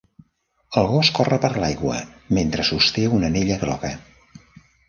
El gos corre per l'aigua mentre sosté una anella groga.